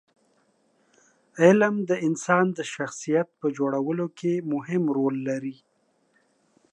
علم د انسان د شخصیت په جوړولو کې مهم رول لري.